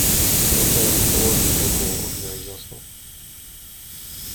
"Potem położył się koło ognia i zasnął."